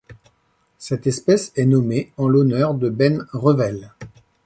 Cette espèce est nommée en l'honneur de Ben Revell.